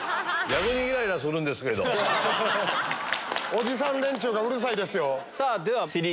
おじさん連中がうるさいですよ。